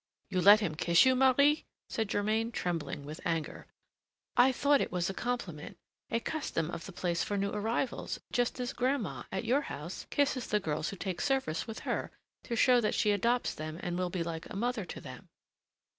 "You let him kiss you, Marie?" said Germain, trembling with anger. "I thought it was a compliment, a custom of the place for new arrivals, just as grandma, at your house, kisses the girls who take service with her, to show that she adopts them and will be like a mother to them."